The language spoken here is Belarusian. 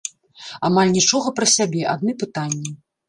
Амаль нічога пра сябе, адны пытанні.